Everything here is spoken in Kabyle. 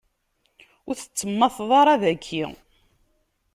Ur tettemmateḍ ara daki.